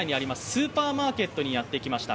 スーパーマーケットにやってきました。